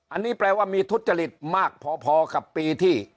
อันนี้แปลว่ามีทุจริตมากพอกับปีที่